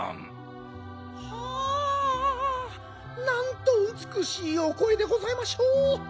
なんとうつくしいおこえでございましょう。